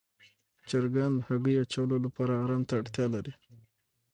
چرګان د هګیو اچولو لپاره آرام ته اړتیا لري.